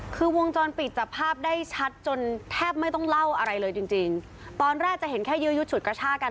คือวงจรปิดจับภาพได้ชัดจนแทบไม่ต้องเล่าอะไรเลยจริงจริงตอนแรกจะเห็นแค่ยื้อยุดฉุดกระชากัน